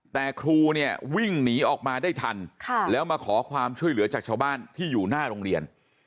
แต่ครูเนี่ยวิ่งหนีออกมาได้ทันแล้วมาขอความช่วยเหลือจากชาวบ้านที่อยู่หน้าโรงเรียน